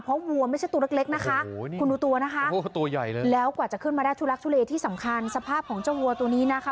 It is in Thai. เพราะวัวไม่ใช่ตัวเล็กนะคะคุณดูตัวนะคะตัวใหญ่เลยแล้วกว่าจะขึ้นมาได้ทุลักทุเลที่สำคัญสภาพของเจ้าวัวตัวนี้นะคะ